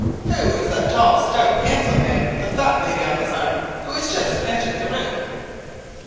"Who is that tall, stout, handsome man, with the fat lady on his arm, who has just entered the room?"